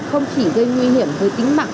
không chỉ gây nguy hiểm với tính mạng